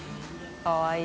かわいい。